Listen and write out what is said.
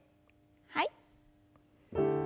はい。